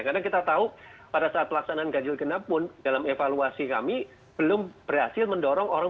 karena kita tahu pada saat pelaksanaan ganjil genap pun dalam evaluasi kami belum berhasil mendorong orang